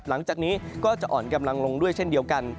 หลังจากนี้ก็จะอ่อนกำลังลงด้วยเช่นเดียวกัน